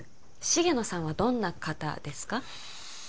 重野さんはどんな方ですか？